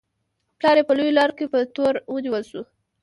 پلار یې په لویو لارو کې په تور ونیول شو.